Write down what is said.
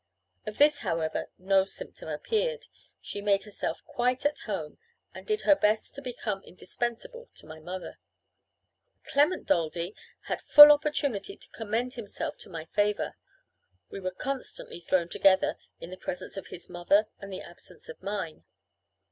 Of this, however, no symptom appeared: she made herself quite at home, and did her best to become indispensable to my mother. Clement Daldy had full opportunity to commend himself to my favour. We were constantly thrown together, in the presence of his mother, and the absence of mine.